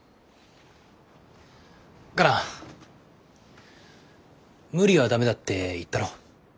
カナ無理はダメだって言ったろ。